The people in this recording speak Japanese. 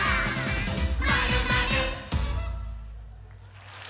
「まるまる」